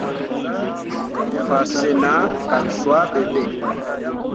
Fasyen ah kal suah ɓe be.